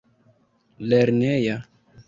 lerneja